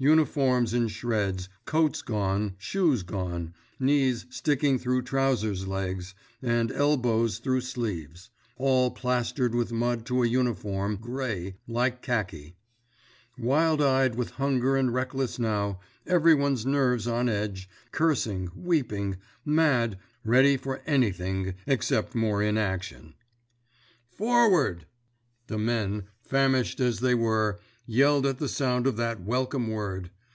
Uniforms in shreds, coats gone, shoes gone, knees sticking through trousers legs, and elbows through sleeves, all plastered with mud to a uniform gray, like khaki; wild eyed with hunger and reckless now, everyone's nerves on edge, cursing, weeping, mad, ready for anything except more inaction! Forward! The men, famished as they were, yelled at the sound of that welcome word.